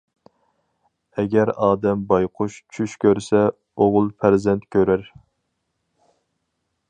ئەگەر ئادەم بايقۇش چۈش كۆرسە، ئوغۇل پەرزەنت كۆرەر.